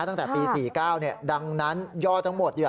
ตั้งแต่ปี๔๙ดังนั้นย่อทั้งหมด